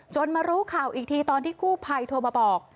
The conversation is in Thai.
มารู้ข่าวอีกทีตอนที่กู้ภัยโทรมาบอก